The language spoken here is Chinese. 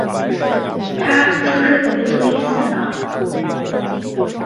他出生于杜伊斯堡。